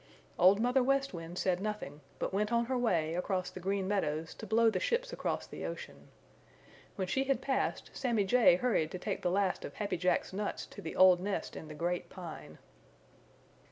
Old Mother West Wind said nothing, but went on her way across the Green Meadows to blow the ships across the ocean. When she had passed, Sammy Jay hurried to take the last of Happy Jack's nuts to the old nest in the Great Pine.